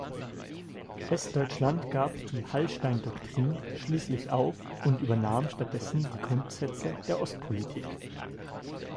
Westdeutschland gab die Hallstein-Doktrin schließlich auf und übernahm stattdessen die Grundsätze der Ostpolitik.